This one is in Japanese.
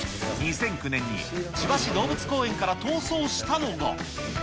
２００９年に千葉市動物公園から逃走したのが。